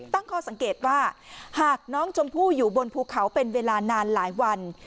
ตั้งข้อสังเกตว่าหากน้องชมพู่อยู่บนภูเขาเป็นเวลานานหลายวัน